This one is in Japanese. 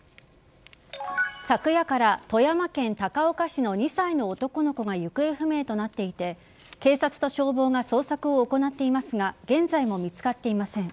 昨夜から富山県高岡市の２歳の男の子が行方不明となっていて警察と消防が捜索を行っていますが現在も見つかっていません。